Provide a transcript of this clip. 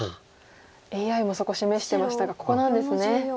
ＡＩもそこ示してましたがここなんですね。